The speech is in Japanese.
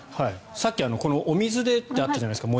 さっきお水でとあったじゃないですか。